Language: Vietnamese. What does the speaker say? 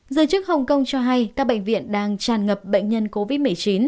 giới chức hồng kông cho hay các bệnh viện đang tràn ngập bệnh nhân covid một mươi chín